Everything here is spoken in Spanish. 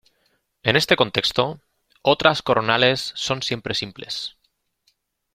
En este contexto, otras coronales son siempre simples.